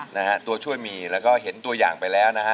นะฮะตัวช่วยมีแล้วก็เห็นตัวอย่างไปแล้วนะฮะ